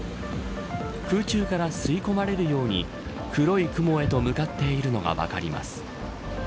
空中から吸い込まれるように黒い雲へと向かっているのが分かります。